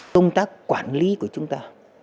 tông tác quản lý của chúng ta